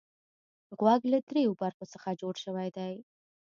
غوږ له دریو برخو څخه جوړ شوی دی.